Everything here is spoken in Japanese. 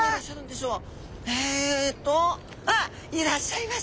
えっとあっいらっしゃいました！